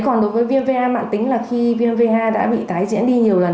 còn đối với viêm va mạng tính là khi viêm va đã bị tái diễn đi nhiều lần